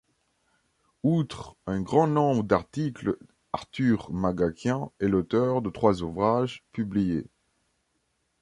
Outre un grand nombre d'articles Arthur Magakian est l'auteur de trois ouvrages publiés.